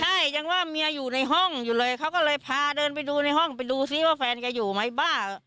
ใช่ยังว่าเมียอยู่ในห้องอยู่เลยเขาก็เลยพาเดินไปดูในห้องไปดูซิว่าแฟนแกอยู่ไหมบ้า